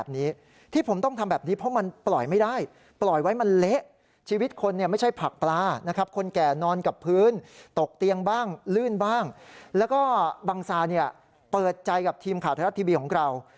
บังซาเปิดใจกับทีมข่าวทะเลาะทีวีของเรา